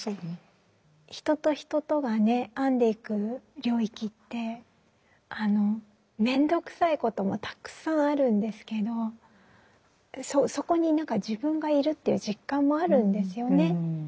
人と人とがね編んでいく領域ってめんどくさいこともたくさんあるんですけどそこに何か自分がいるという実感もあるんですよね。